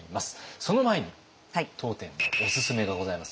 その前に当店のおすすめがございますので。